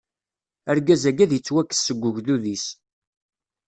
Argaz-agi ad ittwakkes seg ugdud-is.